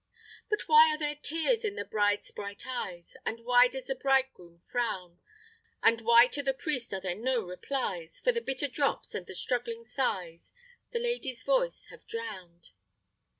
But why are there tears in the bride's bright eyes? And why does the bridegroom frown? And why to the priest are there no replies? For the bitter drops, and the struggling sighs, The lady's voice have drown'd.